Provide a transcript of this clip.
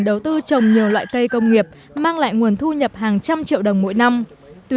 đầu tư trồng nhiều loại cây công nghiệp mang lại nguồn thu nhập hàng trăm triệu đồng mỗi năm tuy